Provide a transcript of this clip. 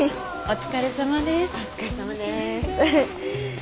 お疲れさまです。